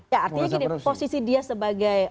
ya artinya gini posisi dia sebagai